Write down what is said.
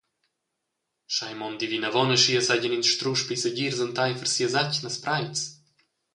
Sch’ei mondi vinavon aschia seigien ins strusch pli segirs enteifer sias atgnas preits.